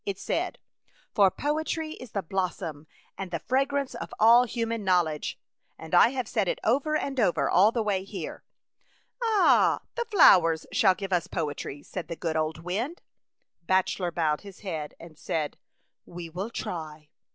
It said, * For poetry is the blossom and the fragrance of all human knowl edge.' And I have said it over and over all the way here.'' " Ah ! the flowers shall give us poetry," said the good old wind. Bachelor bowed his head and said, "We will try."